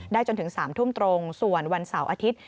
จนถึง๓ทุ่มตรงส่วนวันเสาร์อาทิตย์